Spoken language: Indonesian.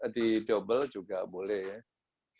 di double juga boleh ya